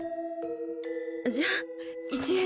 じゃあ１円です。